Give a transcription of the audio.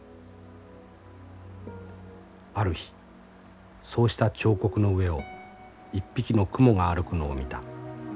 ある日そうした彫刻の上を１匹のクモが歩くのを見た。